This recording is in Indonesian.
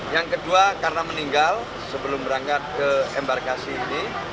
yang kedua karena meninggal sebelum berangkat ke embarkasi ini